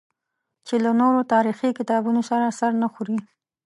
چې له نورو تاریخي کتابونو سره سر نه خوري.